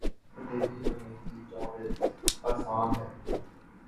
بہ فیض بیدلی نومیدیٴ جاوید آساں ہے